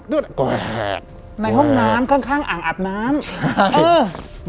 ในห้องน้ำข้างอาบน้ำ